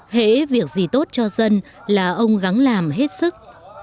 hế việc gì tốt cho dân là ông gắn làm hết sức